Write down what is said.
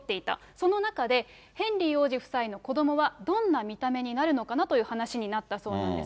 その中で、ヘンリー王子夫妻の子どもはどんな見た目になるのかなという話になったそうなんです。